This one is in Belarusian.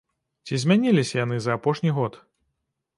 Ці змяніліся яны за апошні год?